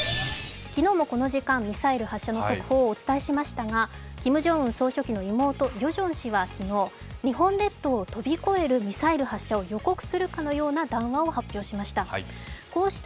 昨日もこの時間、ミサイル発射の速報をお伝えしましたがキム・ジョンウン総書記の妹、ヨジョン氏は昨日、日本列島を飛び越えるミサイル発射を予告するかのような談話を発表しました。